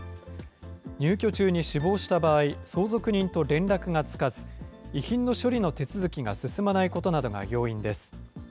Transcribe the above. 入居中に死亡した場合、相続人と連絡がつかず、遺品の処理の手続きが進まないことなどが要因です。